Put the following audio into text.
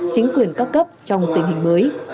chính quyền các cấp trong tình hình mới